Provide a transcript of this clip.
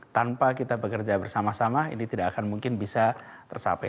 tanpa kita bekerja bersama sama ini tidak akan mungkin bisa tersapai